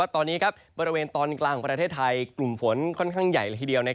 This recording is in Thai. ตอนนี้บริเวณตอนกลางของประเทศไทยกลุ่มฝนค่อนข้างใหญ่ละทีเดียว